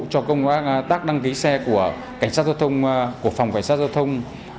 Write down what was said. cho công tác đăng ký xe của phòng cảnh sát giao thông